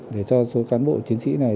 để cho các cán bộ chiến sĩ này